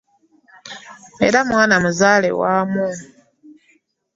Era mwana muzaale waamwo